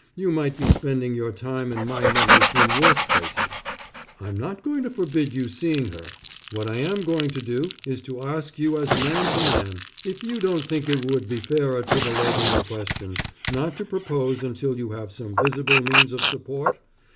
You might be spending your time and my money, in worse places. I'm not going to forbid you seeing her. What I am going to do is to ask you as man to man, if you don't think it would be fairer to the lady in question, not to propose until you have some visible means of support?